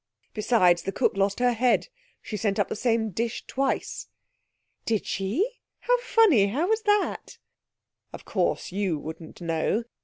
Besides, the cook lost her head. She sent up the same dish twice.' 'Did she? How funny! How was that?' 'Of course, you wouldn't know.